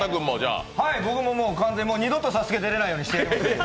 僕も、二度と「ＳＡＳＵＫＥ」出られないようにしてやりますよ。